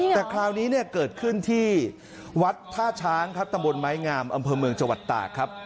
แต่คราวนี้เนี่ยเกิดขึ้นที่วัดท่าช้างครับตำบลไม้งามอำเภอเมืองจังหวัดตากครับ